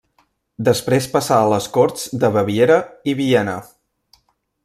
Després passà a les corts de Baviera i Viena.